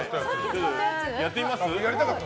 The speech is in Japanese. やってみます？